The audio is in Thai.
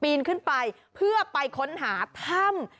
นขึ้นไปเพื่อไปค้นหาถ้ำ